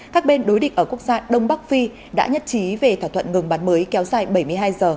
các bên đối địch ở quốc gia đông bắc phi đã nhất trí về thỏa thuận ngừng bắn mới kéo dài bảy mươi hai giờ